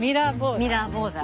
ミラーボーダー。